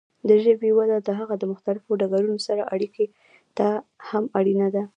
د ژبې وده د هغه د مختلفو ډګرونو سره اړیکې ته هم اړینه ده.